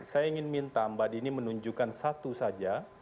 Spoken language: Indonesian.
saya ingin minta mbak dini menunjukkan satu saja